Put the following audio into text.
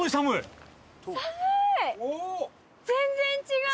全然違う。